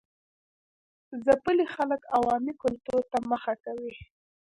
ځپلي خلک عوامي کلتور ته مخه کوي.